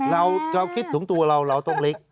เราคิดถึงตัวเราเราต้องเล็ก